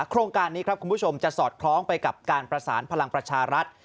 โครงการนี้ครับคุณผู้ชมจะสอดคล้องไปกับการประสานพลังประชารัฐ